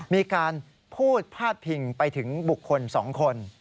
มีการพูดพาดพิงไปถึงบุคคล๒คน